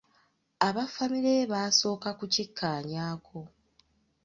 Aba famire ye basooka kukikkaanyaako.